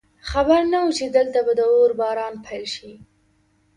خبر نه وو چې دلته به د اور باران پیل شي